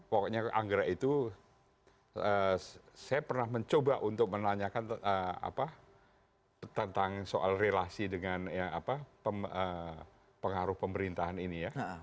pokoknya anggrek itu saya pernah mencoba untuk menanyakan tentang soal relasi dengan pengaruh pemerintahan ini ya